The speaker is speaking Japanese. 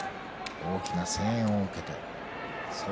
大きな声援を受けています。